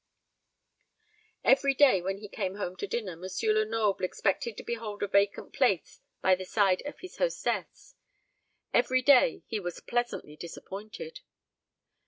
Every day when he came home to dinner, M. Lenoble expected to behold a vacant place by the side of his hostess; every day he was pleasantly disappointed.